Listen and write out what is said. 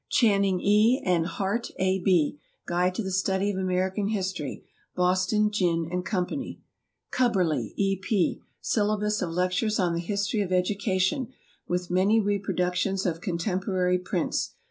CHANNING, E., and HART, A. B. "Guide to the Study of American History," Boston, Ginn & Co. CUBBERLEY, E. P. "Syllabus of Lectures on the History of Education," with many reproductions of contemporary prints.